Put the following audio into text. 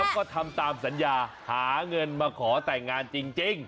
ก็ทำตามสัญญาหาเงินมาขอแต่งงานจริง